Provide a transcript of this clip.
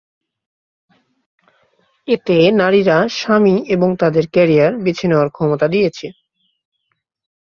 এতে নারীরা স্বামী এবং তাদের ক্যারিয়ার বেছে নেওয়ার ক্ষমতা দিয়েছে।